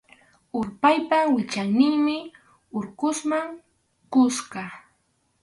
Urpaypa wichayninpi Urqusman kuska.